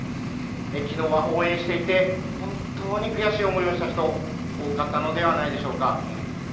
きのうは応援していて、本当に悔しい思いをした人、多かったのではないでしょうか。